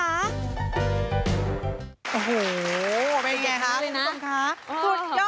โอ้โฮเป็นอย่างไรคะคุณผู้ชมคะ